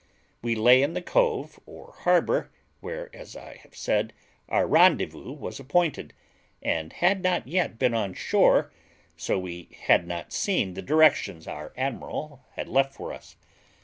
We lay in the cove or harbour, where, as I have said, our rendezvous was appointed, and had not yet been on shore, so we had not seen the directions our admiral had left for us.